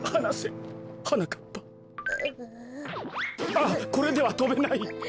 あっこれではとべない。